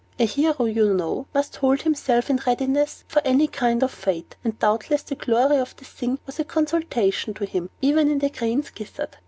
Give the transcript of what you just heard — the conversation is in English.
A hero, you know, must hold himself in readiness for any kind of fate; and doubtless the glory of the thing was a consolation to him, even in the crane's gizzard.